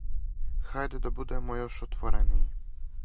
Хајде да будемо још отворенији.